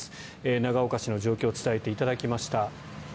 長岡市の状況を伝えていただきました。